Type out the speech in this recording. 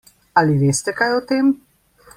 Ali veste kaj o tem?